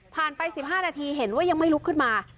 ไป๑๕นาทีเห็นว่ายังไม่ลุกขึ้นมา